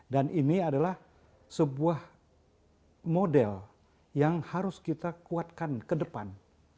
dan ini adalah sebuah model yang harus kita kuatkan ke depan